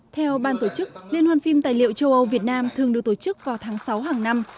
theo ban tổ chức liên hoan phim tài liệu châu âu việt nam thường được tổ chức vào tháng sáu hàng năm